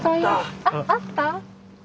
あっあった？